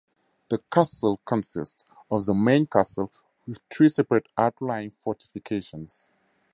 The castle consists of the main castle with three separate outlying fortifications.